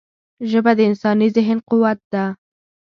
ژبه د انساني ذهن قوت ده